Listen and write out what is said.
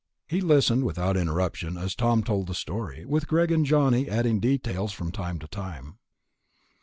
He listened without interruption as Tom told the story, with Greg and Johnny adding details from time to time.